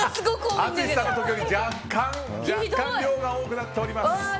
淳さんの時より若干量が多くなっております。